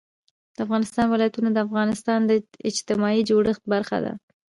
د افغانستان ولايتونه د افغانستان د اجتماعي جوړښت برخه ده.